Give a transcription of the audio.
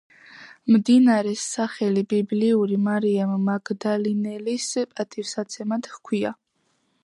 მდინარეს სახელი ბიბლიური მარიამ მაგდალინელის პატივსაცემად ჰქვია.